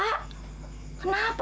neng kamu pancantik kaya